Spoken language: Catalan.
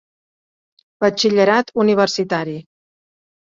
Batxillerat universitari